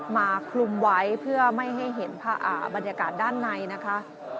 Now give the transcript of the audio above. มาคลุมไว้เพื่อไม่ให้เห็นบรรยากาศด้านในนะคะ